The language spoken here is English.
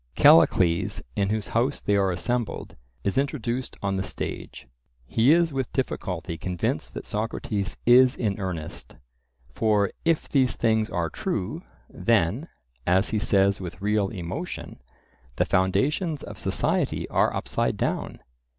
Callicles, in whose house they are assembled, is introduced on the stage: he is with difficulty convinced that Socrates is in earnest; for if these things are true, then, as he says with real emotion, the foundations of society are upside down.